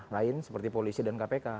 lain seperti polisi dan kpk